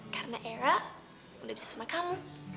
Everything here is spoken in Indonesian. karena era udah bisa sama kamu